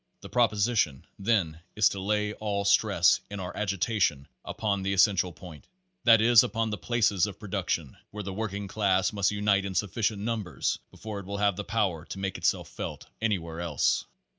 The proposition, then, is to lay all stress in our agitation upon the essential point, that is upon the places of production, where the working class must unite in sufficient numbers before it will have the power to make itself felt anywhere else.